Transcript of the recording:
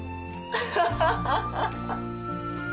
アハハハハッ！